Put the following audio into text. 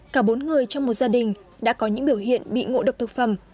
cả bốn người trong một gia đình đã có những biểu hiện bị ngộ độc thực phẩm